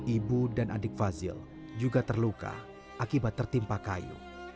ibu dan adik fazil juga terluka akibat tertimpa kayu